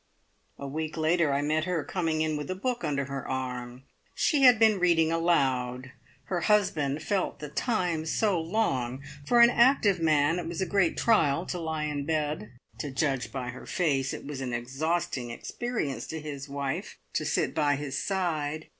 A week later I met her coming in with a book under her arm. She had been "reading aloud. Her husband felt the time so long. For an active man, it was a great trial to lie in bed." To judge by her face, it was an exhausting experience to his wife to sit by his side.